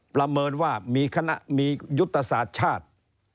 ประเมินว่ามีคณะมียุตสาธิ์ชาติ